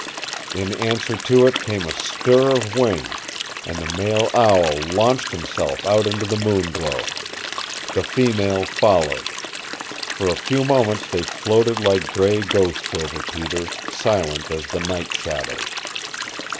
In answer to it came a stir of wings, and the male owl launched himself out into the moon glow. The female followed. For a few moments they floated like gray ghosts over Peter, silent as the night shadows.